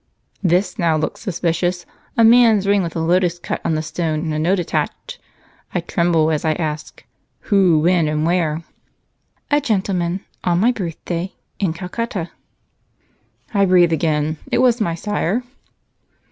"This now looks suspicious man's ring with a lotus cut on the stone and a note attached. I tremble as I ask, who, when, and where?" "A gentleman, on my birthday, in Calcutta." "I breathe again it was my sire?"